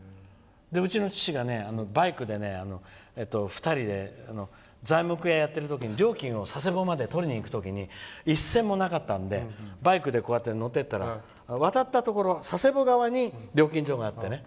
うちの父がバイクで２人で材木屋やっている時に料金を佐世保まで取りに行く時に一銭もなかったのでバイクで乗っていったら渡ったところの佐世保側に料金所があってね。